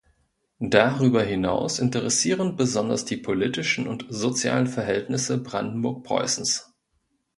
Darüber hinaus interessieren besonders die politischen und sozialen Verhältnisse Brandenburg-Preußens.